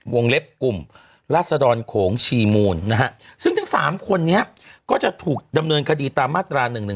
เล็บกลุ่มราศดรโขงชีมูลนะฮะซึ่งทั้ง๓คนนี้ก็จะถูกดำเนินคดีตามมาตรา๑๑๒